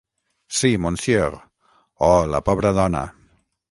Sí, monsieur... Oh, la pobra dona!